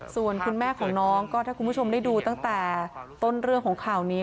ส่วนคุณแม่ของน้องก็ถ้าคุณผู้ชมได้ดูตั้งแต่ต้นเรื่องของข่าวนี้